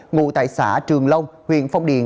ngụ tại xã trường long huyện phong điền